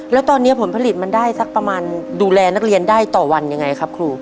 แล้วตอนนี้ผลผลิตมันได้สักประมาณดูแลนักเรียนได้ต่อวันยังไงครับครู